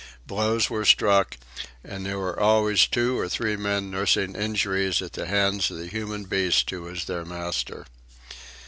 Blows were struck, and there were always two or three men nursing injuries at the hands of the human beast who was their master.